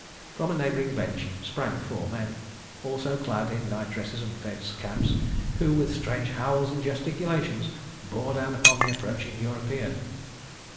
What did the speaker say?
From a neighbouring bench sprang four men, also clad in night dresses and fez caps, who, with strange howls and gesticulations, bore down upon the approaching European.